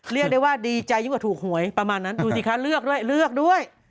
เรียกได้ว่าดีใจยิ่งกว่าถูกหวยประมาณนั้นดูสิคะเลือกด้วยเลือกด้วย